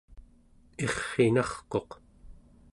irr'inarquq